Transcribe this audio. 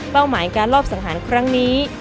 หมายการลอบสังหารครั้งนี้